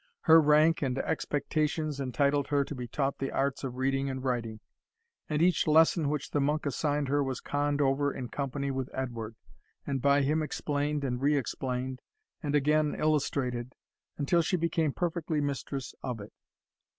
Her rank and expectations entitled her to be taught the arts of reading and writing; and each lesson which the monk assigned her was conned over in company with Edward, and by him explained and re explained, and again illustrated, until she became perfectly mistress of it.